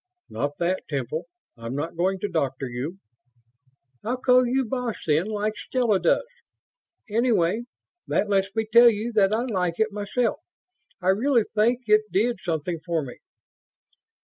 "Not that, Temple. I'm not going to 'Doctor' you." "I'll call you 'boss', then, like Stella does. Anyway, that lets me tell you that I like it myself. I really think that it did something for me."